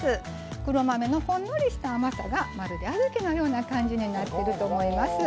黒豆のほんのりした甘さがまるで小豆のような感じになってると思います。